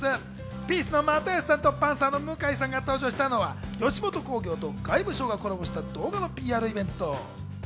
ピースの又吉さんとパンサーの向井さんが登場したのは吉本興業と外務省がコラボした動画のＰＲイベント。